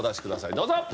どうぞ。